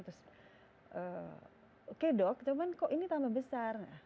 terus oke dok cuman kok ini tambah besar